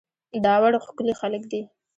داوړ ښکلي خلک دي